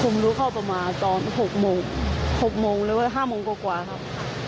ผมรู้เขาประมาณตอน๖โมงหรือว่า๕โมงกว่ากว่าครับ